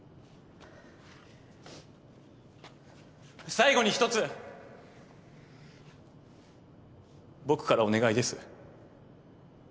最後に１つ僕からお願いです。